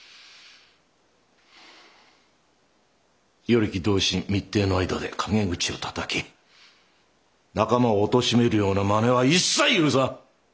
与力同心密偵の間で陰口をたたき仲間を貶めるようなまねは一切許さん！